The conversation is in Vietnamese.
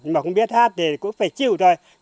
mà không biết hát thì cũng phải chịu thôi